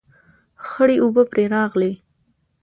خړې اوبه پرې راغلې